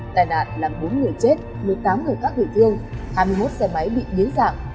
tài nạn làm bốn người chết một mươi tám người khác bị thương hai mươi một xe máy bị biến dạng